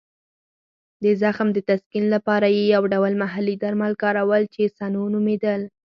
د زخم د تسکین لپاره یې یو ډول محلي درمل کارول چې سنو نومېدل.